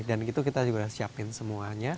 dan gitu kita juga siapin semuanya